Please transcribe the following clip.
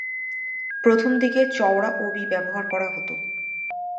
প্রথমদিকে চওড়া ওবি ব্যবহার করা হত।